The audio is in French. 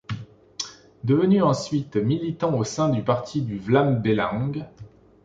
Devenu ensuite militant au sein du parti du Vlaams Belang.